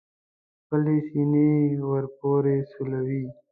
خپلې سینې ور پورې سولوي.